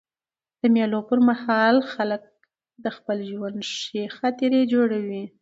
د مېلو پر مهال خلک د خپل ژوند ښې خاطرې جوړوي.